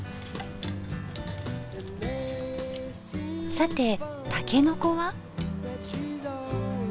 さてたけのこは。